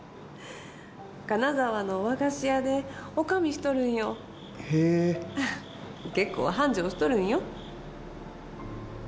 金沢の和菓子屋で女将しとるんよへえ結構繁盛しとるんよ